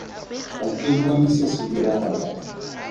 Ga ke bone se se diragalang.